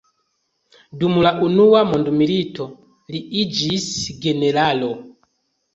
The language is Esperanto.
Dum la unua mondmilito li iĝis generalo.